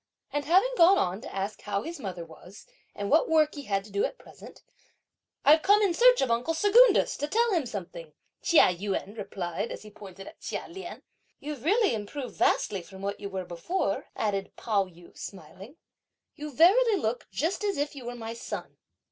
And having gone on to ask how his mother was, and what work he had to do at present; "I've come in search of uncle Secundus, to tell him something," Chia Yün replied, as he pointed at Chia Lien. "You've really improved vastly from what you were before," added Pao yü smiling; "you verily look just is if you were my son!"